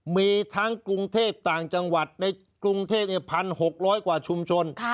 มีทั้งกรุงเทพต่างจังหวัดในกรุงเทพ๑๖๐๐กว่าชุมชน